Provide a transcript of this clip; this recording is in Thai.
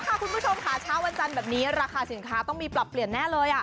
คุณผู้ชมค่ะเช้าวันจันทร์แบบนี้ราคาสินค้าต้องมีปรับเปลี่ยนแน่เลย